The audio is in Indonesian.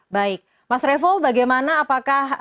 baik mas revo bagaimana apakah